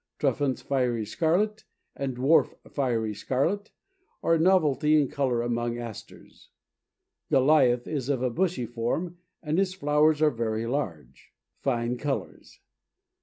Truffant's Fiery Scarlet and Dwarf Fiery Scarlet, are a novelty in color among Asters. Goliath is of a bushy form, and its flowers are very large. Fine colors.